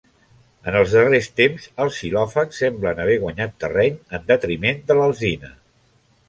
En els darrers temps, els xilòfags semblen haver guanyat terreny, en detriment de l'alzina.